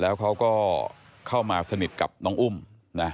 แล้วเขาก็เข้ามาสนิทกับน้องอุ้มนะ